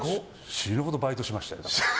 死ぬほどバイトしましたよ。